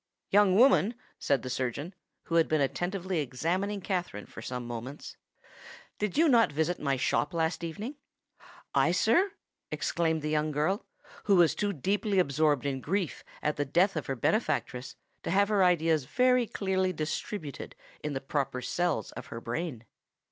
"Young woman," said the surgeon, who had been attentively examining Katherine for some moments, "did you not visit my shop last evening?" "I, sir!" exclaimed the young girl, who was too deeply absorbed in grief at the death of her benefactress to have her ideas very clearly distributed in the proper cells of her brain.